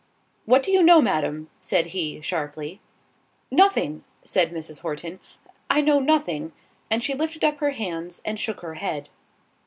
"What do you know, Madam?" said he, sharply. "Nothing," said Mrs. Horton, "I know nothing—" and she lifted up her hands and shook her head.